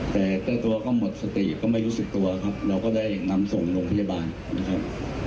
แต่เจ้าตัวก็หมดสติก็ไม่รู้สึกตัวครับเราก็ได้นำส่งโรงพยาบาลนะครับ